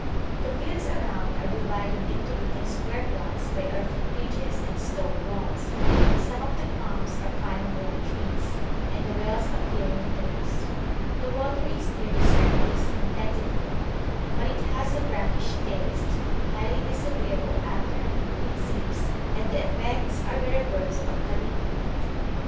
The fields around are divided into little square plots by earthen ridges and stone walls; some of the palms are fine grown trees, and the wells appear numerous. The water is near the surface and plentiful, but it has a brackish taste, highly disagreeable after a few days use, and the effects are the reverse of chalybeate.